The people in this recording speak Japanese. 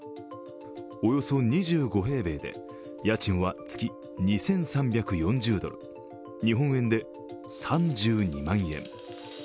およそ２５平米で家賃は月２３４０ドル、日本円で３２万円。